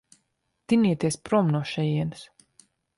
Tinieties prom no šejienes.